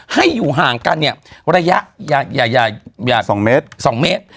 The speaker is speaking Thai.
ให้อยู่ห่างกันเนี่ยระยะอย่า๒เมตร๒เมตร